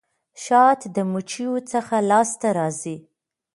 شات د مچيو څخه لاسته راځي.